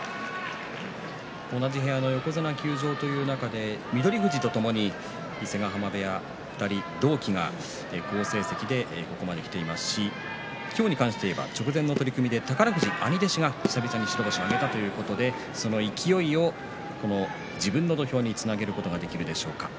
同じ部屋の横綱休場という中で翠富士とともに伊勢ヶ濱部屋２人同期が好成績でここまできていますし今日でいえば直前の取組で宝富士、兄弟子が久々に白星を挙げたということでその勢いを自分の土俵につなげることができるでしょうか。